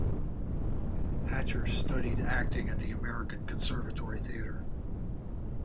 Hatcher studied acting at the American Conservatory Theater.